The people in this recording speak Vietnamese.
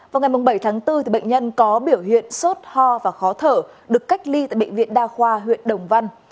vào ngày bảy tháng bốn bệnh nhân có biểu hiện sốt ho và khó thở được cách ly tại bệnh viện đa khoa huyện đồng văn